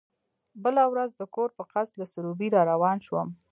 بله ورځ د کور په قصد له سروبي را روان شوم.